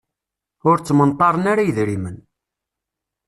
Ur ttmenṭaren ara yidrimen.